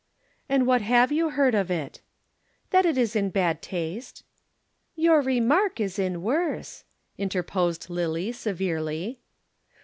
"And what have you heard of it?" "That it is in bad taste." "Your remark is in worse," interposed Lillie severely.